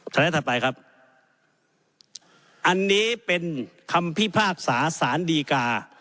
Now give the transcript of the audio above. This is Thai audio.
ไลด์ถัดไปครับอันนี้เป็นคำพิพากษาสารดีกา